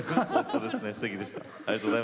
すてきでした。